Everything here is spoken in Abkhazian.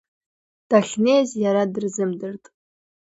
Дахьнеиз иара дырзымдырт.